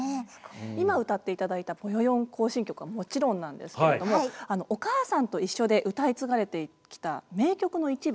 今歌っていただいた「ぼよよん行進曲」はもちろんなんですけれども「おかあさんといっしょ」で歌い継がれてきた名曲の一部。